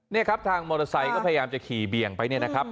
นี่ครับทางมอเตอร์ไซค์ก็พยายามจะขี่เบี่ยงไปเนี่ยนะครับ